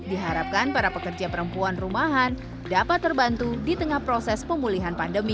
diharapkan para pekerja perempuan rumahan dapat terbantu di tengah proses pemulihan pandemi